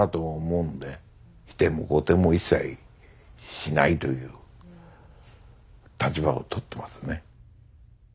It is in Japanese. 否定も肯定も一切しないという立場をとってますね。